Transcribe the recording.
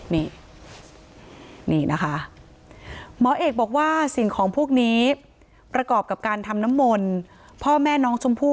นี่นี่นะคะหมอเอกบอกว่าสิ่งของพวกนี้ประกอบกับการทำน้ำมนต์พ่อแม่น้องชมพู่